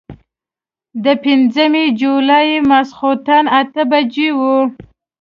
د پنځمې جولايې ماسخوتن اتۀ بجې وې